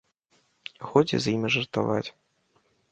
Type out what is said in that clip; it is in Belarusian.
Годзе з імі жартаваць.